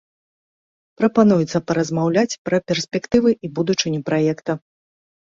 Прапануецца паразмаўляць пра перспектывы і будучыню праекта.